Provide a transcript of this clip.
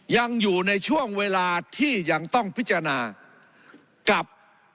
ยังอยู่ในช่วงเวลาที่ยังต้องพิจารณากับ